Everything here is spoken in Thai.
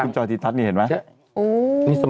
นี่คุณจอยทีทัศน์นี่เห็นไหม